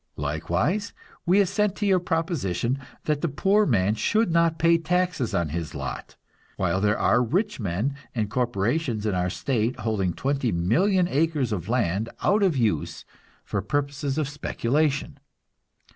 Likewise, we assent to your proposition that the poor man should not pay taxes on his lot, while there are rich men and corporations in our state holding twenty million acres of land out of use for purposes of speculation.